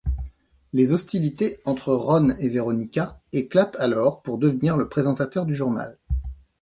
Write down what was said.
Les hostilités entre Ron et Veronica éclatent alors pour devenir le présentateur du journal.